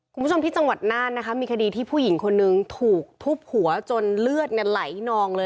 คุณผู้ชมที่จังหวัดน่านนะคะมีคดีที่ผู้หญิงคนนึงถูกทุบหัวจนเลือดไหลนองเลย